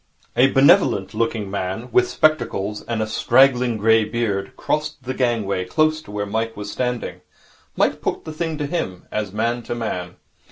A benevolent looking man, with spectacles and a straggling grey beard, crossed the gangway close to where Mike was standing. Mike put the thing to him, as man to man.